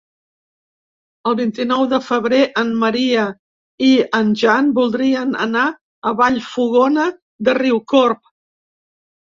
El vint-i-nou de febrer en Maria i en Jan voldrien anar a Vallfogona de Riucorb.